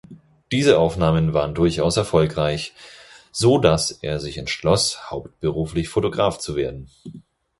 Diese Aufnahmen waren durchaus erfolgreich, so dass er sich entschloss, hauptberuflich Fotograf zu werden.